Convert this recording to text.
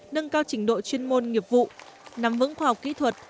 nâng cao trình độ chuyên môn nghiệp vụ nắm vững khoa học kỹ thuật